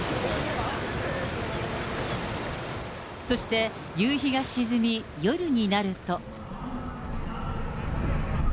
そして夕日が沈み、夜になると。